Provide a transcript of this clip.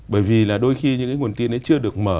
bởi vì là đôi khi những cái nguồn tin ấy chưa được mở